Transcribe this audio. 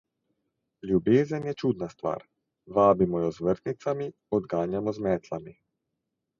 Ljubezen je čudna stvar: vabimo jo z vrtnicami, odganjamo z metlami.